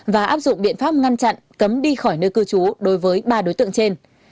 và áp dụng biện pháp ngăn chặn cấm đi khỏi nơi cư trú đối với ba đối tượng trên